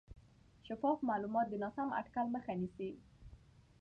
شفاف معلومات د ناسم اټکل مخه نیسي.